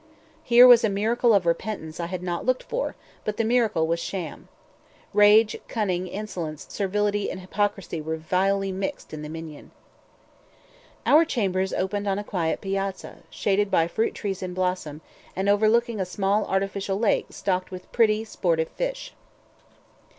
Here was a miracle of repentance I had not looked for; but the miracle was sham. Rage, cunning, insolence, servility, and hypocrisy were vilely mixed in the minion. Our chambers opened on a quiet piazza, shaded by fruit trees in blossom, and overlooking a small artificial lake stocked with pretty, sportive fish.